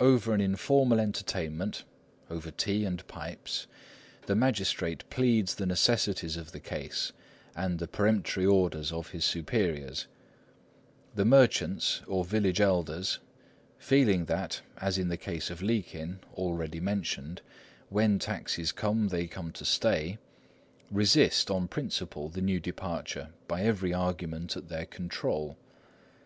Over an informal entertainment, over tea and pipes, the magistrate pleads the necessities of the case, and the peremptory orders of his superiors; the merchants or village elders, feeling that, as in the case of likin above mentioned, when taxes come they come to stay, resist on principle the new departure by every argument at their control.